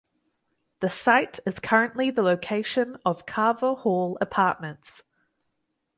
The site is currently the location of Carver Hall Apartments.